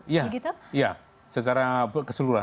ya secara keseluruhan